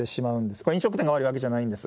これは飲食店が悪いわけじゃないんです。